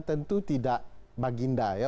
tentu tidak baginda ya